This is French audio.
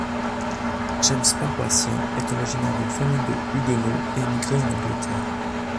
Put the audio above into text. James Paroissien est originaire d'une famille de huguenots émigrés en Angleterre.